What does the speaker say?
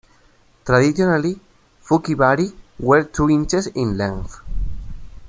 Traditionally, fukibari were two inches in length.